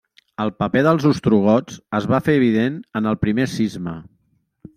El paper dels ostrogots es va fer evident en el primer cisma.